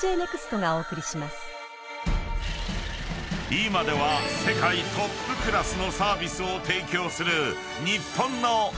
［今では世界トップクラスのサービスを提供する日本の郵便］